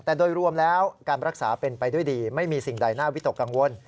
แต่โดยรวมแล้วการรักษาเป็นไปด้วยดีไม่มีสิ่งใดน่าวิตกกังวล